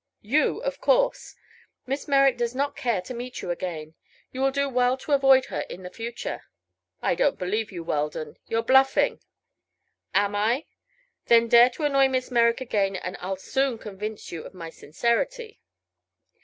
"You, of course. Miss Merrick does not care to meet you again. You will do well to avoid her in the future." "I don't believe you, Weldon. You're bluffing." "Am I? Then dare to annoy Miss Merrick again and I'll soon convince you of my sincerity."